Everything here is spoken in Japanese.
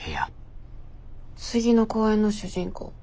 次の公演の主人公